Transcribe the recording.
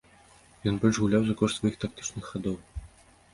Ён больш гуляў за кошт сваіх тактычных хадоў.